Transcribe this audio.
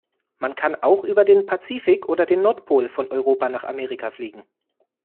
Man kann auch über den Pazifik oder den Nordpol von Europa nach Amerika fliegen.